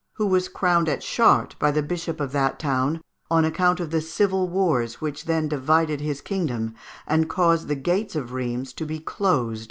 who was crowned at Chartres by the bishop of that town, on account of the civil wars which then divided his kingdom, and caused the gates of Rheims to be closed against him.